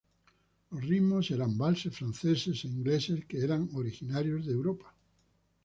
Los ritmos eran valses franceses e ingleses que eran originarios de Europa.